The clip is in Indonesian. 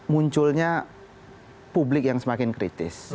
munculnya publik yang semakin kritis